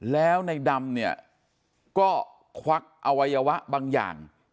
แล้วในดำเนี่ยก็ควักอวัยวะบางอย่าง